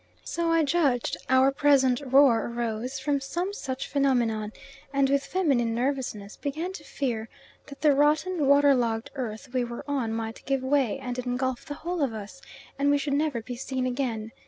So I judged our present roar arose from some such phenomenon, and with feminine nervousness began to fear that the rotten water logged earth we were on might give way, and engulf the whole of us, and we should never be seen again.